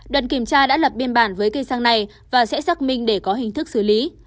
đoàn kiểm tra đã lập biên bản với cây xăng này và sẽ xác minh để có hình thức xử lý